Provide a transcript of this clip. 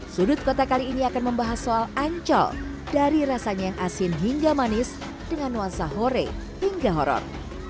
sudut kota kali ini akan membahas soal ancol dari rasanya yang asin hingga manis dengan nuansa hore hingga horror